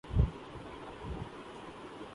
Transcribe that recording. اب پتنگ اڑانے کی اجازت تھی۔